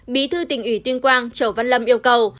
bí thư tỉnh ủy tuyên quang chầu văn lâm yêu cầu